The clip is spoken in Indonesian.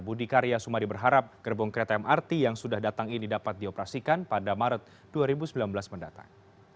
budi karya sumadi berharap gerbong kereta mrt yang sudah datang ini dapat dioperasikan pada maret dua ribu sembilan belas mendatang